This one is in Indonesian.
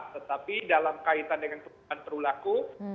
tetapi dalam kaitan dengan perlaku